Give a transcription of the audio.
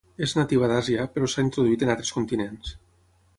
És nativa d'Àsia però s'ha introduït en altres continents.